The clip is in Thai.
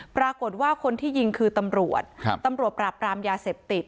ปรากฏว่าคนที่ยิงคือตำรวจครับตำรวจตำรวจปราบปรามยาเสพติด